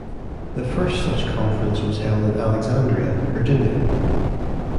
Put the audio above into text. The first such conference was held in Alexandria, Virginia.